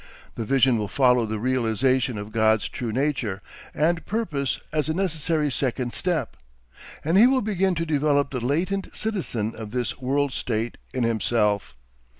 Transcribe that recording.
The vision will follow the realisation of God's true nature and purpose as a necessary second step. And he will begin to develop the latent citizen of this world state in himself.